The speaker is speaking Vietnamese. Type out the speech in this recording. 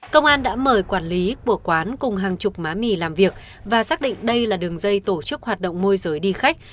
công an đã mời quản lý của quán cùng hàng chục má mì làm việc và xác định đây là đường dây tổ chức hoạt động môi giới đi khách